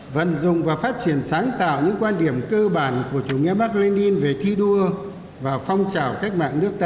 vận dụng và phát triển sáng tạo những quan điểm cơ bản của chủ nghĩa mark lenin về thi đua và phong trào cách mạng nước ta